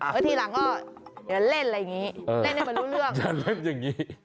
ก็ทีหลังอยากเล่นอะไรอย่างเงี้ยเล่นอย่างงี้